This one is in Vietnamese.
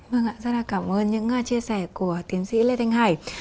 vâng ạ rất là cảm ơn những chia sẻ của tiến sĩ lê thanh hải